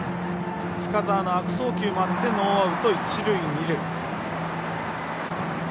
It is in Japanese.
深沢の悪送球もあってノーアウト、一塁二塁。